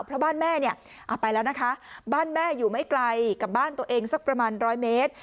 เพราะบ้านแม่เนี่ยเอาไปแล้วนะคะบ้านแม่อยู่ไม่ไกลกับบ้านตัวเองสักประมาณร้อยเมตร